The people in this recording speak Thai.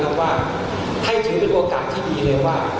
เพราะว่าให้ถือเป็นโอกาสที่ดีเลยว่า